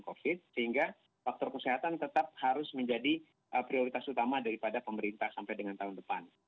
selain itu sehingga faktor kesehatan tetap harus menjadi prioritas utama daripada pemerintah sampai dengan tahun depan